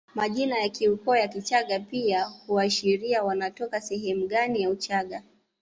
Majina ya kiukoo ya Kichagga pia huashiria wanatoka sehemu gani ya Uchaga